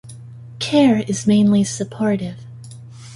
Care is mainly supportive.